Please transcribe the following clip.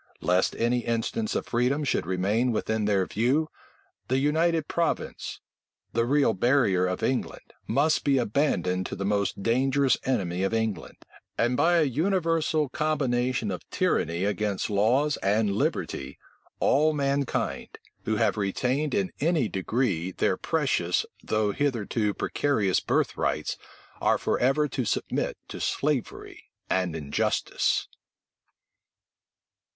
Lest any instance of freedom should remain within their view, the United Province; the real barrier of England, must be abandoned to the most dangerous enemy of England; and by a universal combination of tyranny against laws and liberty, all mankind, who have retained in any degree their precious, though hitherto precarious birthrights, are forever to submit to slavery and injustice.